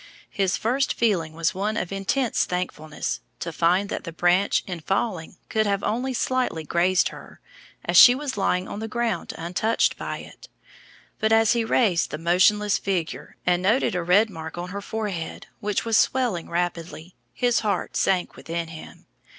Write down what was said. His first feeling was one of intense thankfulness to find that the branch in falling could have only slightly grazed her, as she was lying on the ground untouched by it; but as he raised the motionless figure, and noted a red mark on her forehead which was swelling rapidly, his heart sank within him.